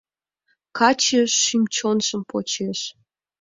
Каче шӱм-чонжым почеш.